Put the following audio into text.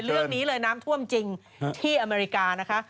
เรื่องนี้เลยน้ำท่วมจริงที่อเมริกานะคะ